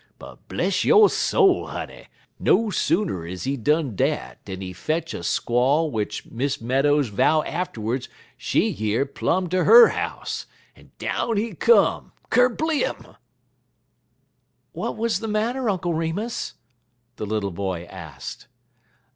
But, bless yo' soul, honey! no sooner is he done dat dan he fetch a squall w'ich Miss Meadows vow atterwards she year plum ter her house, en down he come kerblim!" "What was the matter, Uncle Remus?" the little boy asked.